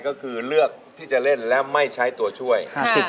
ก็คือเลือกที่จะเล่นและไม่ใช้ตัวช่วย